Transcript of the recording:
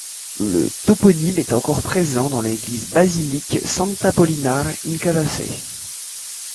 Le toponyme est encore présent dans l'église Basilique Sant'Apollinare in Classe.